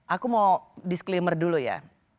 aku mau disclaimer dulu ya